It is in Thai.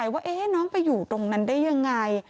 ว่าน้องไปอยู่ตรงนั้นได้ยังไง